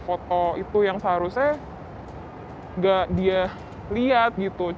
foto itu yang seharusnya gak dia lihat gitu